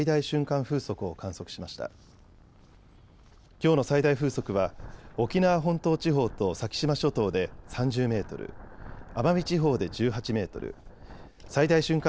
きょうの最大風速は沖縄本島地方と先島諸島で３０メートル、奄美地方で１８メートル、最大瞬間